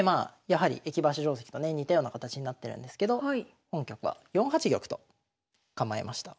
やはり駅馬車定跡とね似たような形になってるんですけど本局は４八玉と構えました。